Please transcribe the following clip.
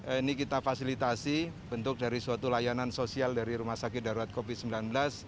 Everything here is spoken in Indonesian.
ini kita fasilitasi bentuk dari suatu layanan sosial dari rumah sakit darurat covid sembilan belas